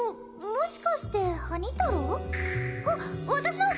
もしかしてハニ太郎？あっ私の！